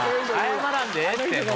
謝らんでええってもう。